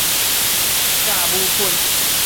酵母菌